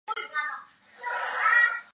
错排问题是组合数学中的问题之一。